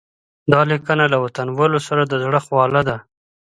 دا لیکنه له وطنوالو سره د زړه خواله ده.